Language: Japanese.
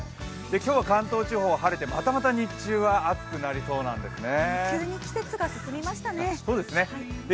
今日は関東地方、晴れてまたまた日中は暑くなりそうですね。